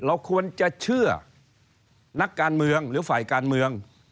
เราควรจะเชื่อนักการเมืองหรือฝ่ายการเมือง